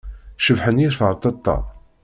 Cebḥen yiferṭeṭṭa.